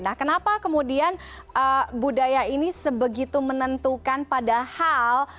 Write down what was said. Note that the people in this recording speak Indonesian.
nah kenapa kemudian budaya ini sebegitu menentukan padahal